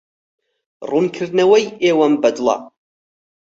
ڕوونکردنەوەی ئێوەم بەدڵە.